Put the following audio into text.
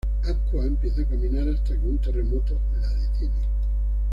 Aqua empieza a caminar, hasta que un terremoto la detiene.